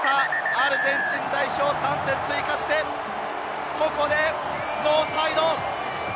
アルゼンチン代表、３点追加して、ここでノーサイド！